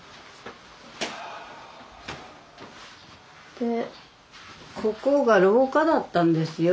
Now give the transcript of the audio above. でここが廊下だったんですよ。